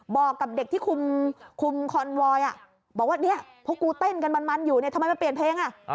บอกกับเด็กที่คุมคอนวอยบอกว่าเนี่ยพวกกูเต้นกันมันอยู่เนี่ยทำไมมันเปลี่ยนเพลงอ่ะ